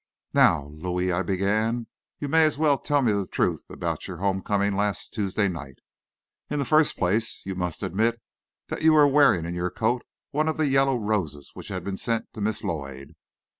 "Now, Louis," I began, "you may as well tell me the truth about your home coming last Tuesday night. In the first place, you must admit that you were wearing in your coat one of the yellow roses which had been sent to Miss Lloyd."